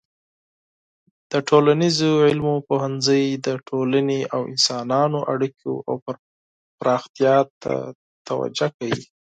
د ټولنیزو علومو پوهنځی د ټولنې او انسانانو اړیکو او پراختیا ته توجه کوي.